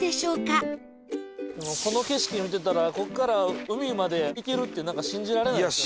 この景色を見てたらここから海まで行けるってなんか信じられない。